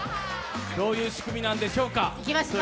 どういう仕組みなんでしょうか。